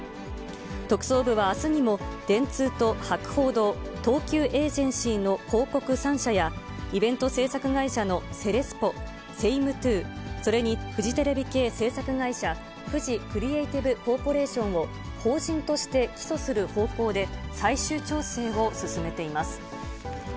特捜部はあすにも、電通と博報堂、東急エージェンシーの広告３社や、イベント制作会社のセレスポ、セイムトゥー、それにフジテレビ系制作会社、フジクリエイティブコーポレーションを法人として起訴する方向で最終調整を進めています。